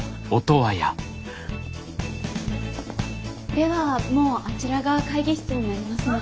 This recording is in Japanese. ではもうあちらが会議室になりますので。